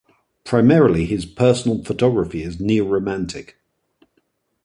Primarily, his personal photography is neo-romantic.